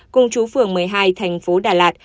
cùng chú phường một mươi hai tp đà lạt